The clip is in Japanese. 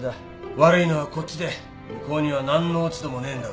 悪いのはこっちで向こうには何の落ち度もねえんだから。